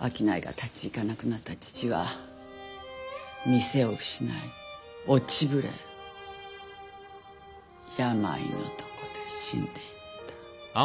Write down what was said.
商いが立ちいかなくなった父は店を失い落ちぶれ病の床で死んでいった。